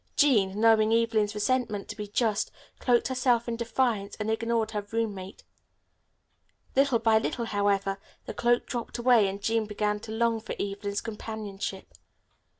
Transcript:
Jean, knowing Evelyn's resentment to be just, cloaked herself in defiance and ignored her roommate. Little by little, however, the cloak dropped away and Jean began to long for Evelyn's companionship.